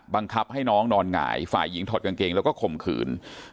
บังคับให้น้องนอนหงายฝ่ายหญิงถอดกางเกงแล้วก็ข่มขืน